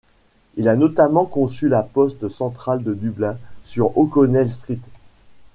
Il a notamment conçu la Poste centrale de Dublin sur O'Connell Street.